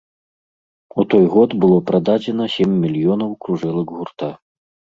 У той год было прададзена сем мільёнаў кружэлак гурта.